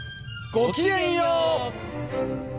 ご機嫌よう！